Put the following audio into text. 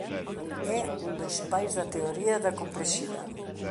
É un dos pais da teoría da complexidade.